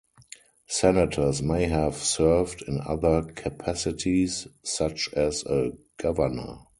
Senators may have served in other capacities, such as a governor.